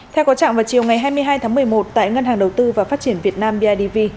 theo có trạng vào chiều ngày hai mươi hai tháng một mươi một tại ngân hàng đầu tư và phát triển việt nam bidv